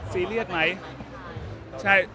ซีเรียสหรือไหม